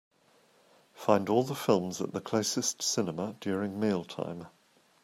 Find all the films at the closestcinema during meal time.